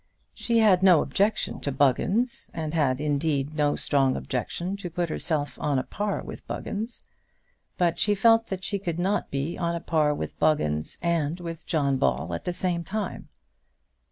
She had no objection to Buggins, and had, indeed, no strong objection to put herself on a par with Buggins; but she felt that she could not be on a par with Buggins and with John Ball at the same time.